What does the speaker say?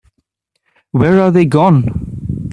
Where are they gone?